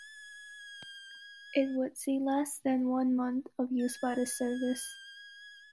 It would see less than one month of use by this service.